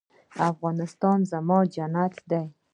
افغانستان زما جنت دی؟